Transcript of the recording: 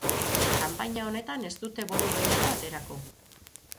Kanpaina honetan ez dute bonu gehiago aterako.